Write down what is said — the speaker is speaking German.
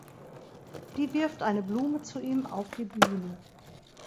Die wirft eine Blume zu ihm auf die Bühne.